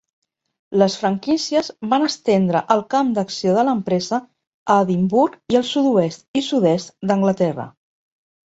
Les franquícies van estendre el camp d'acció de l'empresa a Edimburg i al sud-oest i sud-est d'Anglaterra.